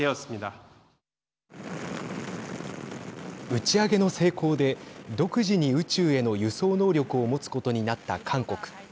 打ち上げの成功で独自に宇宙への輸送能力を持つことになった韓国。